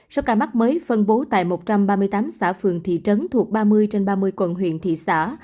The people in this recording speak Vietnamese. số ca mắc mới phân bố tại một trăm ba mươi tám xã phường thị trấn thuộc ba mươi trên ba mươi quận huyện thị xã